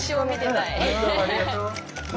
ありがとう。